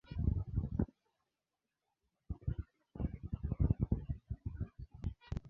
Maradona aliruka na mlinda lango wa timu pinzani